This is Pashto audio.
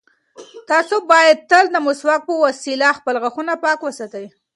تاسو باید تل د مسواک په وسیله خپل غاښونه پاک وساتئ.